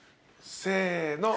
せの！